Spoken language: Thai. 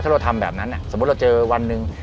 ถ้าเราทำแบบนั้นสมมุติเราเจอวันหนึ่ง